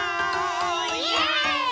イエーイ！